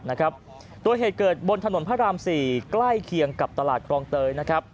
โดยเหตุเกิดบนถนนพระราม๔ใกล้เคียงกับตลาดครองเตยนะครับ